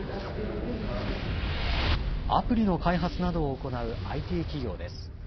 アプリの開発などを行うＩＴ企業です。